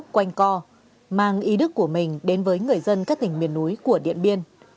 quanh co mang ý đức của mình đến với người dân các tỉnh miền núi của điện biên